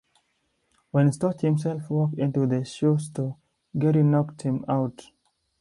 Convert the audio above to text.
When Storch himself walked into the shoe store, Gary knocked him out.